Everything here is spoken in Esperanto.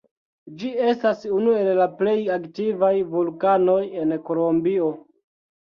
Ĝi estas unu el la plej aktivaj vulkanoj en Kolombio.